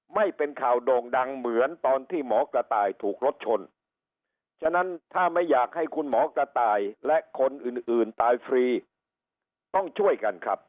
ไม่เป็นข่าวโด่งดังเหมือนตอนที่หมอกระต่ายถูกรถชน